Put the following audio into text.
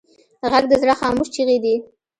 غږ د زړه خاموش چیغې دي